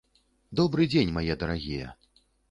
Добры дзень, мае дарагія.